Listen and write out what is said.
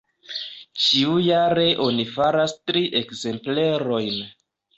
Ĉiujare oni faras tri ekzemplerojn.